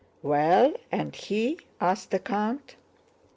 "Well, and he?" asked the count.